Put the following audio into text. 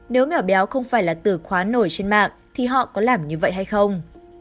nếu nhỏ béo không phải là từ khóa nổi trên mạng thì họ có làm như vậy hay không